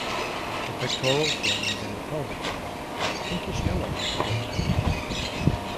The pectoral fins and the pelvic fin are pinkish yellow in colour.